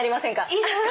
いいですか？